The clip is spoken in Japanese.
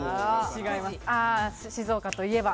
静岡といえば。